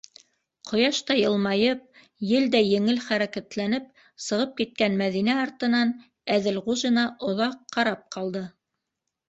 Ҡояштай йылмайып, елдәй еңел хәрәкәтләнеп сығып киткән Мәҙинә артынан Әҙелғужина оҙаҡ ҡарап ҡалды.